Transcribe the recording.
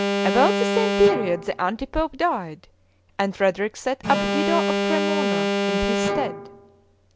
About the same period the anti pope died, and Frederick set up Guido of Cremona, in his stead.